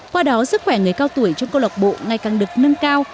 qua đó sức khỏe người cao tuổi trong câu lạc bộ ngày càng được nâng cao